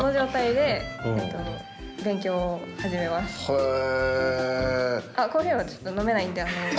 へえ！